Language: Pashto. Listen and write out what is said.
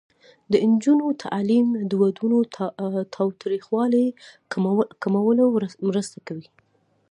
د نجونو تعلیم د ودونو تاوتریخوالي کمولو مرسته کوي.